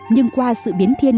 nhưng qua sự biến thiên